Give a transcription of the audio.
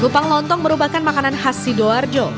kupang lontong merupakan makanan khas sidoarjo